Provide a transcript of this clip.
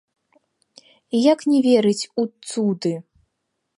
І як не верыць у цуды?